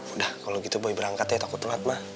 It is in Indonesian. udah kalau gitu boy berangkat ya takut pelat ma